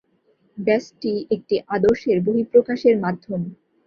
ব্যষ্টি একটি আদর্শের বহিঃপ্রকাশের মাধ্যম।